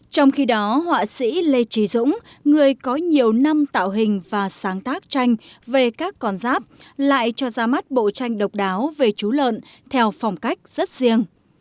trong khi đó họa sĩ lê trí dũng người có nhiều năm tạo hình và sáng tác tranh về các con giáp lại cho ra mắt bộ tranh độc đáo về chú lợn theo phong cách rất riêng